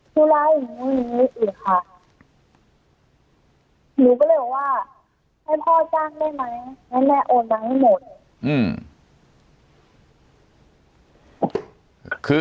ผู้ร้ายหนูไม่มีอีกค่ะหนูก็เลยบอกว่าให้พ่อจ้างได้ไหมให้แม่โอนมาให้หมด